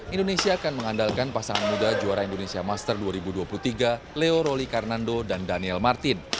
indonesia akan mengandalkan pasangan muda juara indonesia master dua ribu dua puluh tiga leo roli karnando dan daniel martin